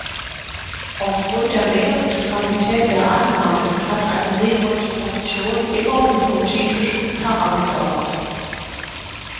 Aufgrund der Menge und Qualität der Annahmen hat eine Rekonstruktion immer hypothetischen Charakter.